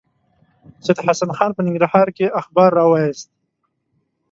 سید حسن خان په ننګرهار کې اخبار راوایست.